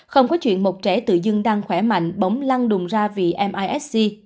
không có chuyện một trẻ tự dưng đang khỏe mạnh bóng lăn đùng ra vì misc